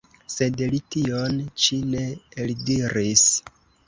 Sed li tion ĉi ne eldiris.